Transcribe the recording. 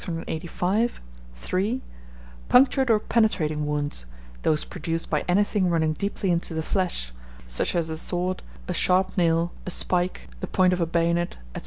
Punctured or penetrating wounds those produced by anything running deeply into the flesh; such as a sword, a sharp nail, a spike, the point of a bayonet, &c.